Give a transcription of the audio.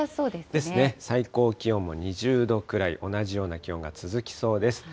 ですね、最高気温も２０度くらい、同じような気温が続きそうです。